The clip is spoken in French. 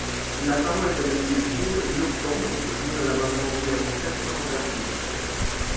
La parole est à Monsieur Gilles Lurton, pour soutenir l’amendement numéro sept cent vingt-huit.